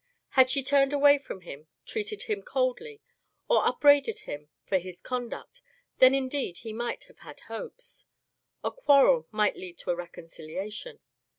Had she turned away from him, treated him coldly, or upbraided him for his conduct, then indeed he might have had hopes. A quarrel might lead to a reconciliation.